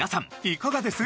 いかがです？